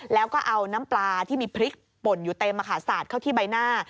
แล้วก็เอาน้ำปลาที่มีพริกป่นอยู่เต็มสาดเข้าที่ใบหน้า